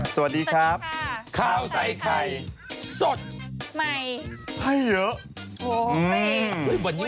สวัสดีครับสวัสดีค่ะข้าวใส่ไข่สดใหม่ให้เยอะโอ้โหวันนี้